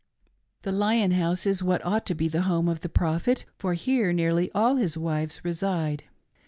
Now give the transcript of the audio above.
The Lion House is what ought to be the home of the Prophet, for here nearly all his wives reside.